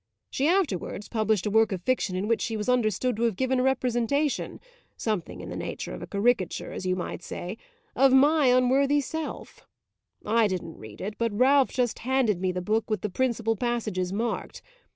She afterwards published a work of fiction in which she was understood to have given a representation something in the nature of a caricature, as you might say of my unworthy self. I didn't read it, but Ralph just handed me the book with the principal passages marked.